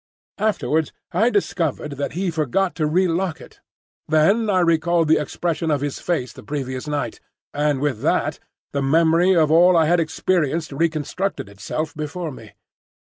Afterwards I discovered that he forgot to re lock it. Then I recalled the expression of his face the previous night, and with that the memory of all I had experienced reconstructed itself before me.